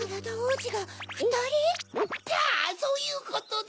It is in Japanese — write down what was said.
じゃあそういうことで。